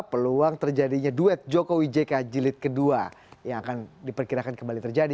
peluang terjadinya duet jokowi jk jilid kedua yang akan diperkirakan kembali terjadi